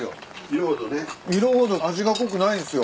色ほど味が濃くないんすよ。